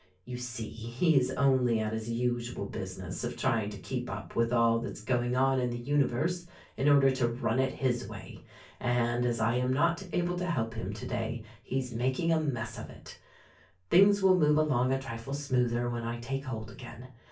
Yoit see, he is only at his usual business of trying to keep up with all that's going on in the universe, in order to run it his way ; and, as I am not able to help him today, he's making a mess of it. Things will move along a trifle smoother when I take hold again.